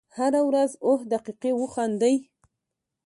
هره ورځ اووه دقیقې وخاندئ .